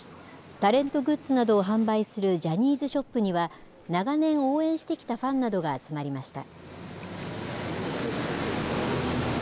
タレントグッズなどを販売するジャニーズショップには、長年、応援してきたファンなどが集まりました。